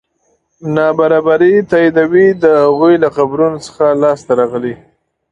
نابرابري تاییدوي د هغوی له قبرونو څخه لاسته راغلي.